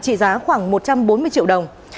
trị giá khoảng một trăm bốn mươi triệu đồng